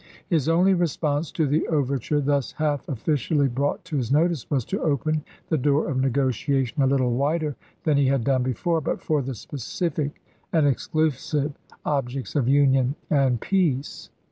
His only response to the overture thus half of ficially brought to his notice was to open the door of negotiation a little wider than he had done before, but for the specific and exclusive objects of union and peace.